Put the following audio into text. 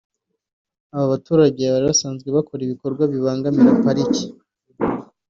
Aba baturage bari basanzwe bakora ibikorwa bibangamira Pariki